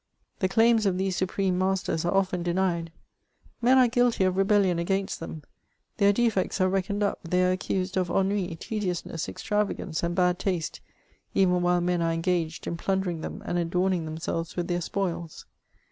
The claims of these supreme masters are often denied ; men are guilty of rebellion against them ; their defects are redsoned up ; they are accused of ennnij tediousness, extravagance, and bad tastCi even while men are engaged in plundering them, and adorning themselves with their spcMls.